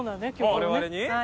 我々に？